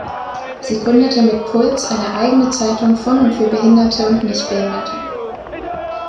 Sie gründete mit "Puls" eine eigene „Zeitung von und für Behinderte und Nichtbehinderte“.